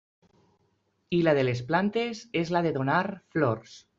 I la de les plantes és la de donar flors.